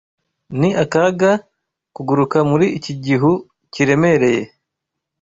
Ni akaga kuguruka muri iki gihu kiremereye.